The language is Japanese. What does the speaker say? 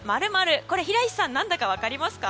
これ平石さん何だか分かりますか？